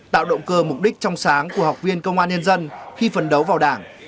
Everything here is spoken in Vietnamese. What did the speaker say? tạo động cơ mục đích trong sáng của học viên công an nhân dân khi phấn đấu vào đảng